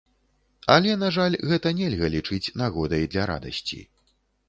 Але, на жаль, гэта нельга лічыць нагодай для радасці.